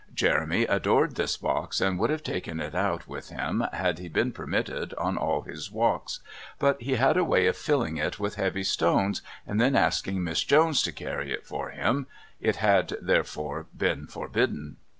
Jeremy adored this box and would have taken it out with him, had he been permitted, on all his walks, but he had a way of filling it with heavy stones and then asking Miss Jones to carry it for him; it had therefore been forbidden.